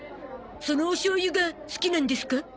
そのおしょうゆが好きなんですか？